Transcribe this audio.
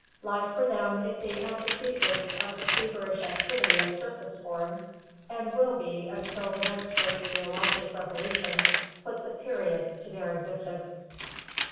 Life for them is the antithesis of the feverish activity of surface forms, and will be until the next great geologic revolution puts a period to their existence.